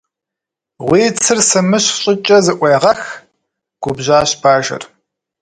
Уи цыр сымыщ щӀыкӀэ зыӀуегъэх! - губжьащ Бажэр.